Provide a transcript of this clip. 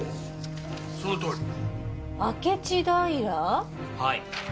はい。